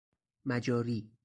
مجاری